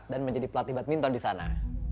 dan menjadi pelatih badminton disana